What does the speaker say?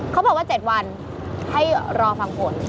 เขาบอกว่า๗วันให้รอฟังผล